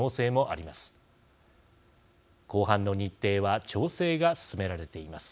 公判の日程は調整が進められています。